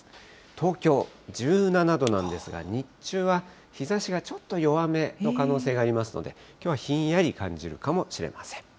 東京１７度なんですが、日中は日ざしがちょっと弱めの可能性がありますので、きょうはひんやり感じるかもしれません。